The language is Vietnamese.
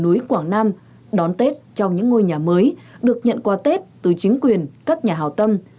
núi quảng nam đón tết trong những ngôi nhà mới được nhận qua tết từ chính quyền các nhà hào tâm